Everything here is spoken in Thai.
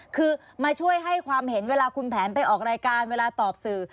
คือมาช่วยให้ความเห็นเวลาคุณแผนไปออกรายการเวลาตอบสื่อ